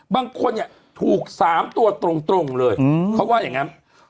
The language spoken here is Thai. บางคนเนี่ยถูก๓ตัวตรงเลยเขาว่าอย่างนั้น